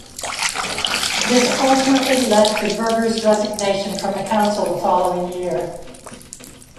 This ultimately led to Berger's resignation from the Council the following year.